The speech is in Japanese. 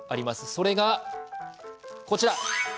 それがこちら。